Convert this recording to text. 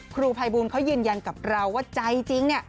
ครูภัยบูลเขายืนยันกับเราว่าใจจริงเนี่ย